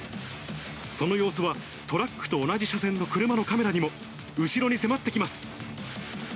その様子は、トラックと同じ車線の車のカメラにも。後ろに迫ってきます。